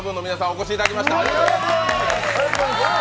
お越しいただきました。